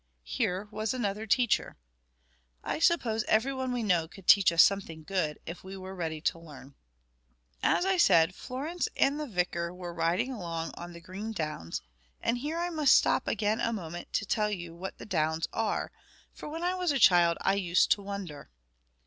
Here was another teacher. I suppose everyone we know could teach us something good, if we were ready to learn. As I said, Florence and the vicar were riding along on the green downs; and here I must stop again a moment to tell you what the downs are, for when I was a child I used to wonder.